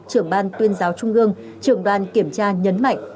trưởng ban tuyên giáo trung ương trưởng đoàn kiểm tra nhấn mạnh